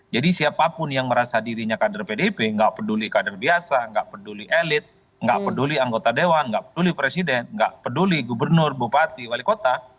jadi siapapun yang merasa dirinya kader pdip gak peduli kader biasa gak peduli elit gak peduli anggota dewan gak peduli presiden gak peduli gubernur bupati wali kota